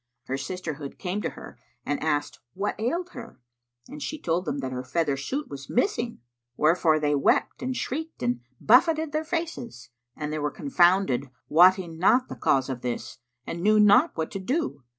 Her sisterhood[FN#69] came to her and asked what ailed her, and she told them that her feather suit was missing; wherefore they wept and shrieked and buffeted their faces: and they were confounded, wotting not the cause of this, and knew not what to do.